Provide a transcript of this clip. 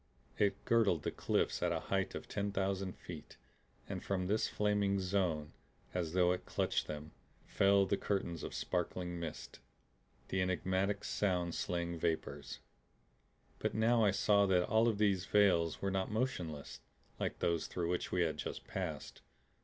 It girdled the cliffs at a height of ten thousand feet, and from this flaming zone, as though it clutched them, fell the curtains of sparkling mist, the enigmatic, sound slaying vapors. But now I saw that all of these veils were not motionless like those through which we had just passed.